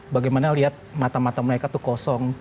bagaimana lihat mata mata mereka tuh kosong